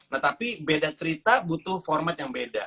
nah tapi beda cerita butuh format yang beda